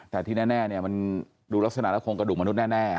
แต่ที่แน่มันดูลักษณะแล้วโครงกระดูกมนุษย์แน่